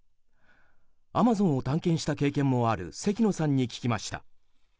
アマゾンを探検した経験もある関野さんに聞きました。